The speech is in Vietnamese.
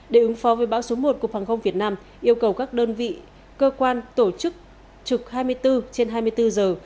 để ứng phó với bão số một cục hàng không việt nam yêu cầu các đơn vị cơ quan tổ chức trực hai mươi bốn trên hai mươi bốn giờ